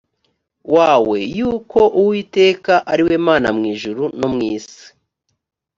wawe yuko uwiteka ari we mana mu ijuru no mu isi